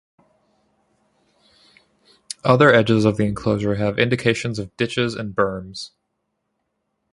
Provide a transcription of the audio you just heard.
Other edges of the enclosure have indications of ditches and berms.